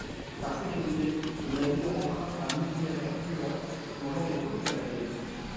Par sécurité, le navire emprunte un itinéraire plus lent, longeant les côtes canadiennes.